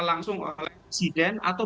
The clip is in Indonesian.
langsung oleh presiden atau